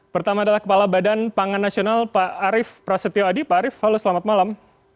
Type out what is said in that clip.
pertama adalah kepala badan pangan nasional pak arief prasetyo adi pak arief halo selamat malam